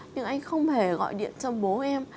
nhưng anh không hề gọi điện cho bố em